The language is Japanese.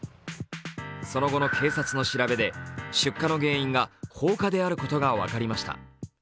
その後の警察の調べで出火の原因が放火であることが分かりました。